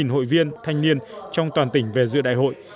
hội viên thanh niên trong toàn tỉnh về giữa đại hội